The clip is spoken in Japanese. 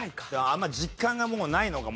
あんまり実感がもうないのか。